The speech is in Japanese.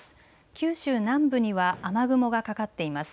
九州南部には雨雲がかかっています。